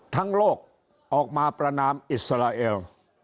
ทั้งโลกออกมาประนามอิสราเอล